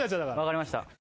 分かりました。